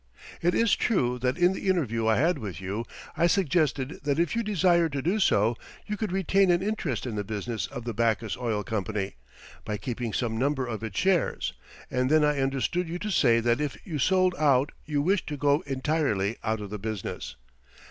It is true that in the interview I had with you I suggested that if you desired to do so, you could retain an interest in the business of the Backus Oil Company, by keeping some number of its shares, and then I understood you to say that if you sold out you wished to go entirely out of the business.